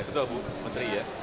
betul bu menteri ya